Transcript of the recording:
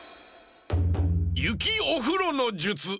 ゆきおふろのじゅつ。